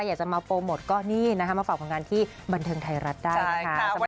อยากจะมาโปรโมทก็นี่นะคะมาฝากผลงานที่บันเทิงไทยรัฐได้นะคะ